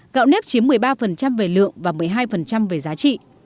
gạo nếp chiếm một mươi ba về lượng và một mươi hai về giá trị